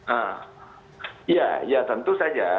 ah ya tentu saja